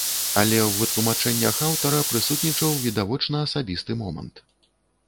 Але ў вытлумачэннях аўтара прысутнічаў відавочна асабісты момант.